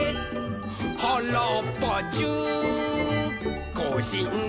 「はらっぱじゅうこうしんさ」